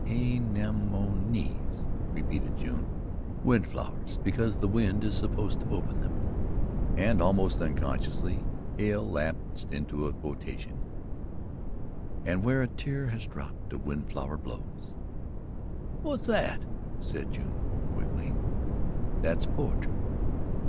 "A nem o nes," repeated June. "Wind flowers because the wind is supposed to open them." And, almost unconsciously, Hale lapsed into a quotation: "'And where a tear has dropped, a wind flower blows.'" "Whut's that?" said June quickly. "That's poetry."